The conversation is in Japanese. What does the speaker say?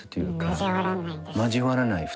交わらないです。